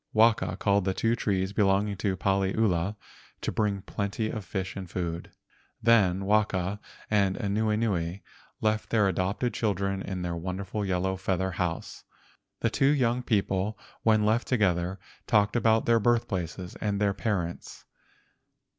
Waka called the two trees belonging to Paliula to bring plenty of fish and food. Then Waka and Anuenue left their adopted children in the wonderful yellow feather house. The two young people, when left together, talked about their birthplaces and their parents.